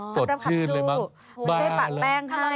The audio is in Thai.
สดชื่นเลยบ้างไม่ใช่ปะแป้งให้